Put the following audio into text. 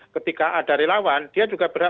ketika ada relawan dia juga berat